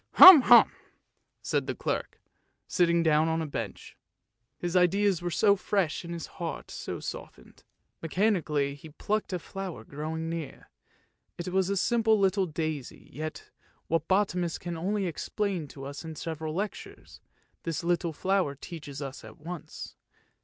Hum! hum! " said the clerk, sitting down on a bench; his ideas were so fresh and his heart so softened. Mechanically he plucked a flower growing near; it was a simple little daisy, yet what botanists can only explain to us in several lectures, this little flower teaches us at once.